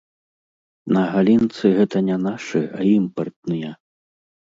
На галінцы гэта не нашы, а імпартныя.